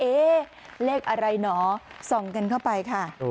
เลขอะไรหนอส่องกันเข้าไปค่ะ